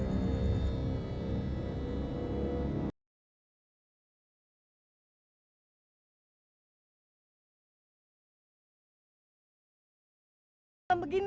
akan kita berpegang